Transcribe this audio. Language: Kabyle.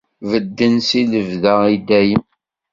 Bedden si lebda, i dayem.